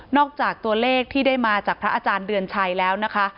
จากตัวเลขที่ได้มาจากพระอาจารย์เดือนชัยแล้วนะคะ